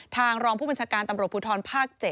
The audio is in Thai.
รองผู้บัญชาการตำรวจภูทรภาค๗